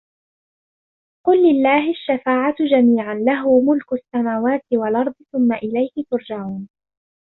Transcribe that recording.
قُل لِلَّهِ الشَّفاعَةُ جَميعًا لَهُ مُلكُ السَّماواتِ وَالأَرضِ ثُمَّ إِلَيهِ تُرجَعونَ